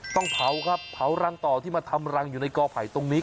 ต้องเผาครับเผารังต่อที่มาทำรังอยู่ในกอไผ่ตรงนี้